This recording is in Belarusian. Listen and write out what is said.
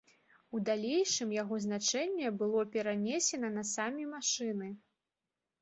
У далейшым яго значэнне было перанесена на самі машыны.